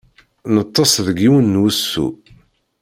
Neṭṭeṣ deg yiwen n wusu.